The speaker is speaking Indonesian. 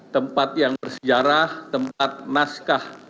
tempat yang bersejarah tempat naskah